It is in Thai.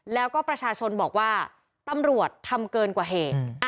แล้วก็ประชาชนบอกว่าตำรวจทำเกินกว่าเหตุ